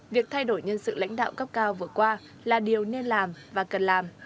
việc thay đổi nhân sự lãnh đạo cấp cao vừa qua là điều nên làm và cần làm